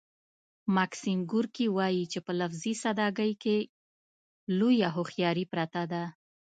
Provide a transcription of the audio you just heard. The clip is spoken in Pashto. ماکسیم ګورکي وايي چې په لفظي ساده ګۍ کې لویه هوښیاري پرته ده